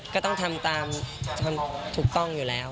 ก็ต้องทำตามถูกต้องอยู่แล้ว